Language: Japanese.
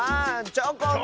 チョコン！